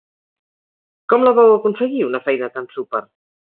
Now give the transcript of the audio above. Com la vau aconseguir, una feina tan súper?